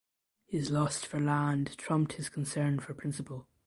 His lust for land trumped his concern for principle.